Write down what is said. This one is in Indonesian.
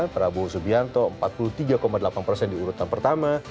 prabowo subianto empat puluh tiga delapan persen di urutan pertama